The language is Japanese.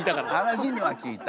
話には聞いた。